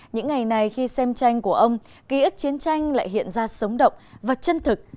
những ngày này khi xem tranh của ông ký ức chiến tranh lại hiện ra sống động và chân thực